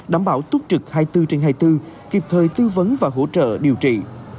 đảm bảo tốt trực hai mươi bốn trên hai mươi bốn kịp thời tư vấn và hỗ trợ điều trị